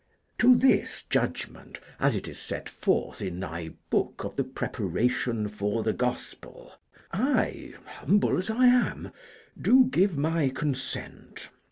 To this judgment, as it is set forth in thy Book of the Preparation for the Gospel, I, humble as I am, do give my consent.